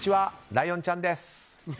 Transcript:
ライオンちゃんです。